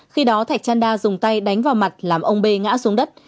khi đó thạch chan đa dùng tay đánh vào mặt làm ông b ngã xuống đất